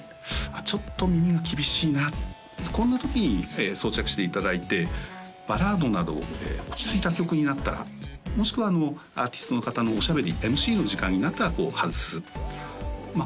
「ちょっと耳が厳しいな」こんなときに装着していただいてバラードなど落ち着いた曲になったらもしくはアーティストの方のおしゃべりＭＣの時間になったらこう外すまあ